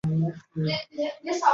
也将此类归类于岩黄蓍属。